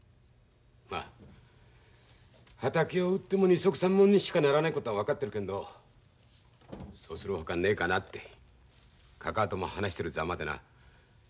まあ畑を売っても二束三文にしかならねえことは分かってるけんどそうするほかねえかなってかかあとも話してるざまでな。